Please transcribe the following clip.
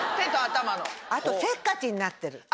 せっかちになってる。